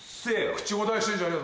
口答えしてんじゃねえ。